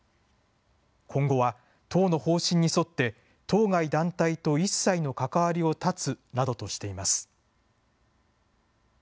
今後は党の方針に沿って、当該団体と一切の関わりを断つなどとしています。